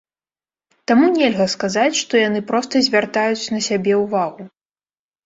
Таму нельга сказаць, што яны проста звяртаюць на сябе ўвагу.